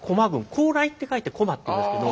高麗って書いて「こま」っていうんですけど。